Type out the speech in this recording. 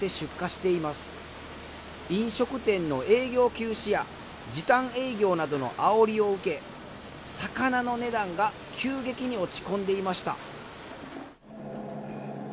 飲食店の営業休止や時短営業などのあおりを受け魚の値段が急激に落ち込んでいました。